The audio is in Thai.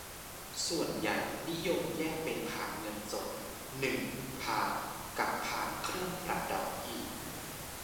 ส่วนใหญ่นิยมแยกเป็นพานเงินสด หนึ่ง พาน กับพานเครื่องประดับอีก